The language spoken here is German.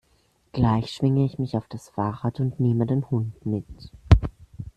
Gleich schwinge ich mich auf das Fahrrad und nehme den Hund mit.